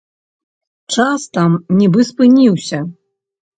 Час там нібы спыніўся.